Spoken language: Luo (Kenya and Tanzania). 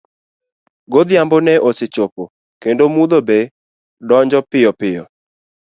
Godhiambo ne osechopo kendo mudho be ne donjo piyopiyo.